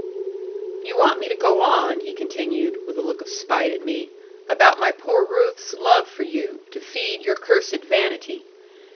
'You want me to go on,' he continued, with a look of spite at me, 'about my poor Ruth's love for you, to feed your cursed vanity.